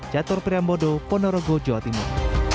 jatuh priambodo ponorogo jawa timur